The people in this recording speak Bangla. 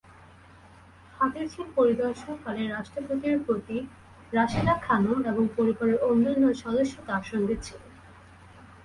হাতিরঝিল পরিদর্শনকালে রাষ্ট্রপতির পত্নী রাশিদা খানম এবং পরিবারের অন্যান্য সদস্য তাঁর সঙ্গে ছিলেন।